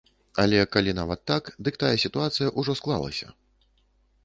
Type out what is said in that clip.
Але калі нават так, дык такая сітуацыя ўжо склалася.